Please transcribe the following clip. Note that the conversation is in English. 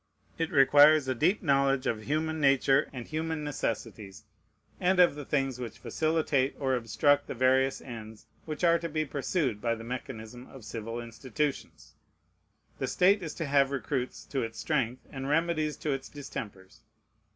It requires a deep knowledge of human nature and human necessities, and of the things which facilitate or obstruct the various ends which are to be pursued by the mechanism of civil institutions. The state is to have recruits to its strength and remedies to its distempers.